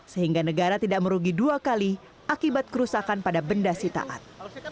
sehingga negara tidak merugi dua kali akibat kerusakan pada benda sitaan